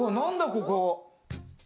ここ。